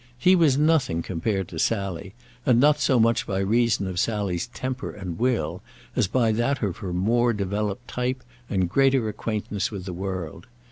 He was nothing compared to Sally, and not so much by reason of Sally's temper and will as by that of her more developed type and greater acquaintance with the world.